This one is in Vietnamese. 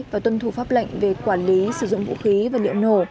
và tuân thủ pháp lệnh về quản lý sử dụng vũ khí và liệu nổ